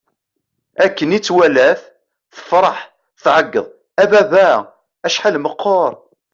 Akken i tt-walat, tefṛeḥ, tɛeggeḍ: A baba! Acḥal meqqeṛ!